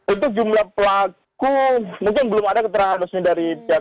untuk jumlah pelaku mungkin belum ada keterangan resmi dari pihak